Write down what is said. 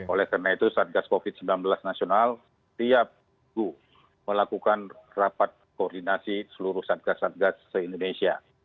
oleh karena itu satgas covid sembilan belas nasional setiap minggu melakukan rapat koordinasi seluruh satgas satgas se indonesia